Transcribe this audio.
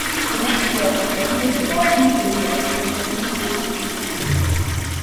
The next year it presented the Boston Premiere of Beethoven's Ninth Symphony.